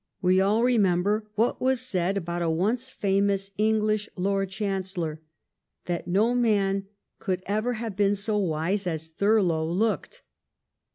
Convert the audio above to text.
We all remember what was said about a once famous English Lord Chan cellor — that no man could ever have been so wise as Thurlow looked.